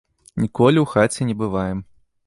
Ніколі ў хаце не бываем.